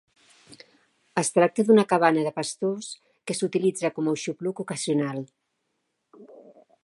Es tracta d'una cabana de pastors que s'utilitza com a aixopluc ocasional.